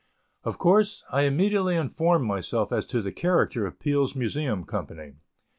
Of course, I immediately informed myself as to the character of Peale's Museum company.